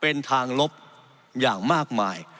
เป็นทางลบอย่างมากมาย